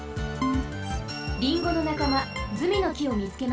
リンゴのなかまズミのきをみつけました。